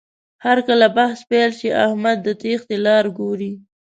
هرکله بحث پیل شي، احمد د تېښتې لاره ګوري.